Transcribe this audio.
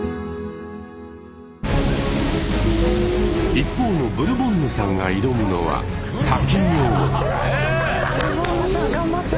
一方のブルボンヌさんが挑むのはうえい！